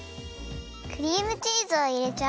クリームチーズをいれちゃお。